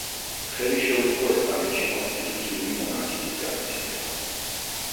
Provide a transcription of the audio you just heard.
ხელი შეუწყო ესპანეთში კონსტიტუციური მონარქიის განმტკიცებას.